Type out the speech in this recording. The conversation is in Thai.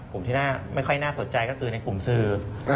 กลุ่มที่น่าไม่ค่อยน่าสนใจก็คือในกลุ่มสื่อ